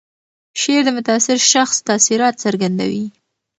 شعر د متاثر شخص تاثیرات څرګندوي.